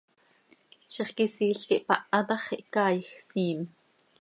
Zixquisiil quih paha ta x, ihcaaij, siim.